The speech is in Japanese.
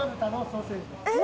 えっ？